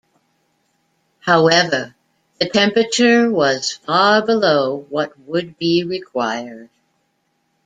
However, the temperature was far below what would be required.